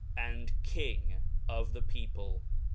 and iving of the people. u